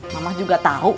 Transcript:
mama juga tau